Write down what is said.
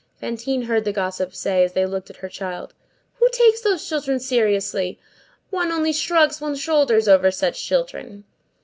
Fantine heard the gossips say, as they looked at her child: "Who takes those children seriously! One only shrugs one's shoulders over such children!"